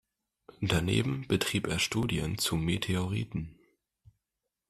Daneben betrieb er Studien zu Meteoriten.